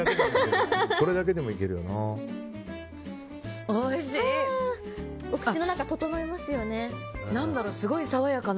それだけでもいけるよな。